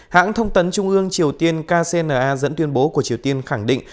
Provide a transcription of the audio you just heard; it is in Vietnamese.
hãng thông tấn trung ương triều tiên kcna dẫn tuyên bố của triều tiên khẳng định